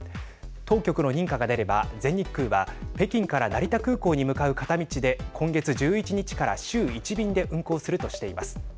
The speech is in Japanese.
当局の認可が出れば全日空は北京から成田空港に向かう片道で今月１１日から週１便で運航するとしています。